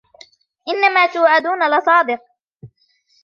إنما توعدون لصادق